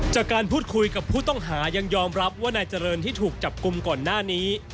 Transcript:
จากการพูดคุยกับผู้ต้องหายังยอมรับว่านายเจริญที่ถูกจับกลุ่มก่อนหน้านี้